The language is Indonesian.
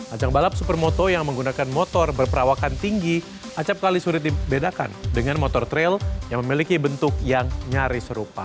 ajang balap supermoto yang menggunakan motor berperawakan tinggi acapkali sulit dibedakan dengan motor trail yang memiliki bentuk yang nyaris serupa